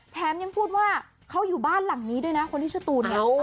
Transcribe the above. แถมยังพูดว่าเขาอยู่บ้านหลังนี้ด้วยนะคนที่ชื่อตูน